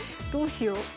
どうしよう。